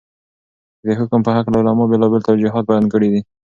چې دحكم په هكله علماؤ بيلابيل توجيهات بيان كړي دي.